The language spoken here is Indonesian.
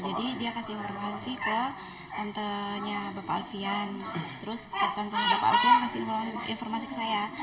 jadi dia kasih informasi ke tantenya bapak alfian terus tantenya bapak alfian kasih informasi ke saya